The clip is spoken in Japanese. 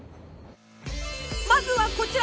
まずはこちら！